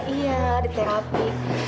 iya di terapi